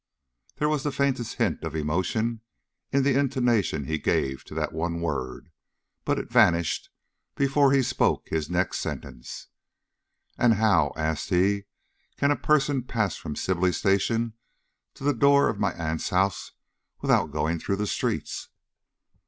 There was the faintest hint of emotion in the intonation he gave to that one word, but it vanished before he spoke his next sentence. "And how," asked he, "can a person pass from Sibley Station to the door of my aunt's house without going through the streets?"